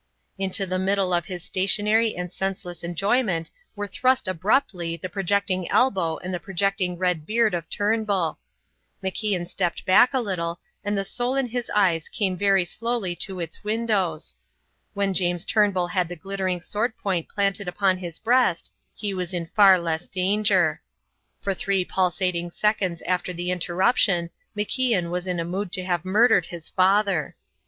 Into the middle of his stationary and senseless enjoyment were thrust abruptly the projecting elbow and the projecting red beard of Turnbull. MacIan stepped back a little, and the soul in his eyes came very slowly to its windows. When James Turnbull had the glittering sword point planted upon his breast he was in far less danger. For three pulsating seconds after the interruption MacIan was in a mood to have murdered his father.